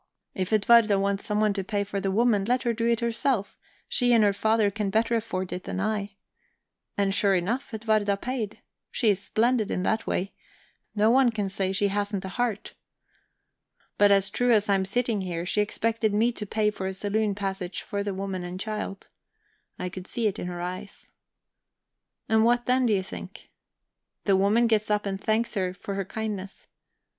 If Edwarda wants someone to pay for the woman, let her do it herself; she and her father can better afford it than I. And sure enough, Edwarda paid. She's splendid in that way no one can say she hasn't a heart. But as true as I'm sitting here she expected me to pay for a saloon passage for the woman and child; I could see it in her eyes. And what then, do you think? The woman gets up and thanks her for her kindness.